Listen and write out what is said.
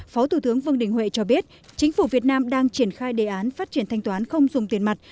phó thủ tướng vương đình huệ cho biết chính phủ việt nam đang triển khai đề án phát triển thanh toán không dùng tiền mặt